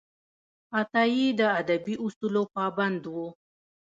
عطايي د ادبي اصولو پابند و.